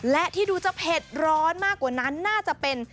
และที่ดูจะเผ็ดร้อนมากกว่านั้นน่าจะเป็น